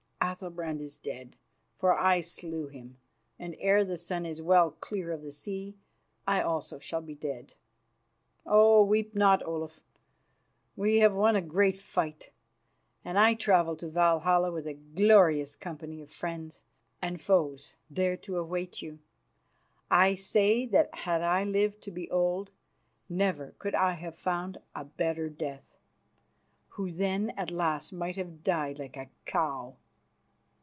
"Athalbrand is dead, for I slew him, and ere the sun is well clear of the sea I also shall be dead. Oh, weep not, Olaf; we have won a great fight, and I travel to Valhalla with a glorious company of friends and foes, there to await you. I say that had I lived to be old, never could I have found a better death, who then at last might have died like a cow.